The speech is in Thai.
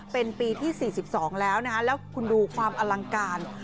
เป็นปีที่๔๒แล้วนะคะแล้วคุณดูความอลังการ